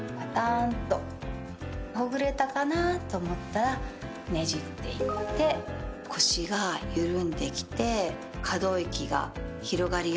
ほぐれたかなと思ったらねじっていって腰が緩んできて可動域が広がりやすくなります。